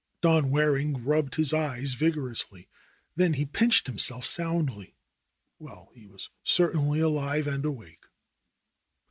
Don Waring rubbed his eyes vigorously. Then he pinched himself soundly. Well, he was certainly alive and awake